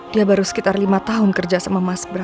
dia baru sekitar lima tahun kerja sama mas bram